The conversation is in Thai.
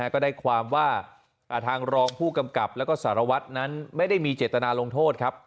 ก็ได้ความว่าทางรองผู้กำกับแล้วก็สารวัตรนั้นไม่ได้มีเจตนาลงโทษครับ